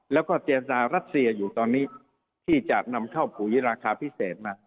แล้วก็เจรจารัสเซียอยู่ตอนนี้ที่จะนำเข้าปุ๋ยราคาพิเศษมา